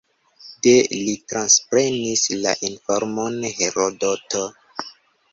De li transprenis la informon Herodoto.